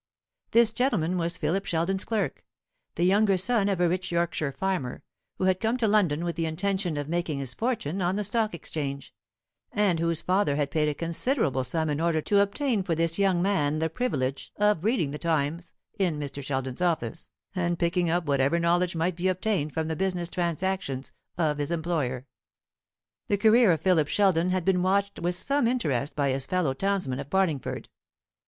This gentleman was Philip Sheldon's clerk, the younger son of a rich Yorkshire farmer, who had come to London with the intention of making his fortune on the Stock Exchange, and whose father had paid a considerable sum in order to obtain for this young man the privilege of reading the Times in Mr. Sheldon's office, and picking up whatever knowledge might be obtained from the business transactions of his employer. The career of Philip Sheldon had been watched with some interest by his fellow townsmen of Barlingford.